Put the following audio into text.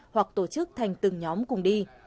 hoặc tổ chức thành từng nhóm cùng đi